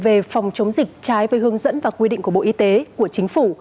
về phòng chống dịch trái với hướng dẫn và quy định của bộ y tế của chính phủ